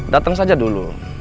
dateng saja dulu